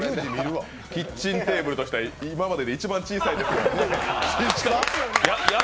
キッチンテーブルとしては今までで一番小さいですから。